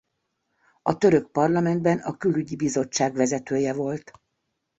A török parlamentben a külügyi bizottság vezetője volt.